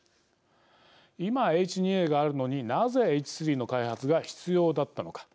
今、Ｈ２ＡがあるのになぜＨ３の開発が必要だったのか。